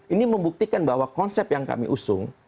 ini membuktikan bahwa konsep yang kami usung